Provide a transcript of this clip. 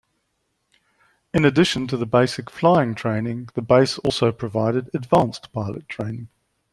In addition to the basic flying training, the base also provided advanced pilot training.